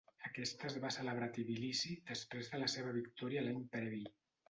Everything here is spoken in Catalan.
Aquest es va celebrar a Tbilissi després de la seva victòria l'any previ.